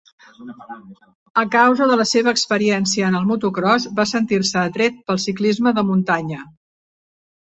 A causa de la seva experiència en el motocròs, va sentir-se atret pel ciclisme de muntanya.